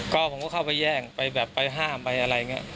ก็เข้าไปแย่งไปแบบไปห้ามไปอะไรเงี้ย